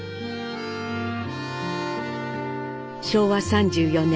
昭和３４年。